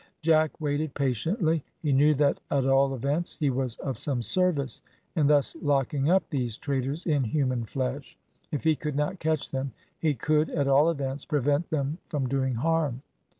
Jack waited patiently. He knew that, at all events, he was of some service in thus locking up these traders in human flesh. If he could not catch them, he could, at all events, prevent them from doing harm.